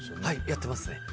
はい、やってますね。